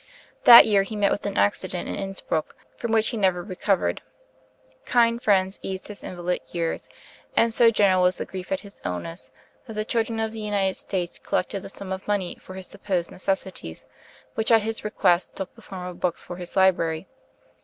That year he met with an accident in Innsbruck from which he never recovered. Kind friends eased his invalid years; and so general was the grief at his illness that the children of the United States collected a sum of money for his supposed necessities, which at his request took the form of books for his library.